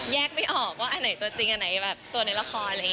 แยกไม่ออกว่าอันไหนตัวจริงอันไหนแบบตัวในละคร